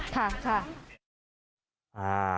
ค่ะค่ะ